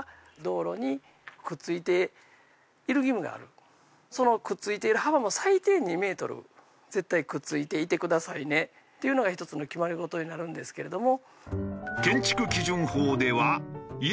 そこにそのくっついている幅も最低２メートル絶対くっついていてくださいねっていうのが１つの決まり事になるんですけれども。